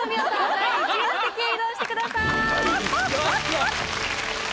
第１位の席へ移動してください。